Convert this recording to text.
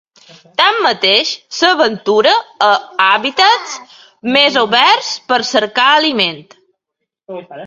Tanmateix, s'aventura a hàbitats més oberts per cercar aliment.